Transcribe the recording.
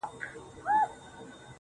او په لوړ ږغ په ژړا سو~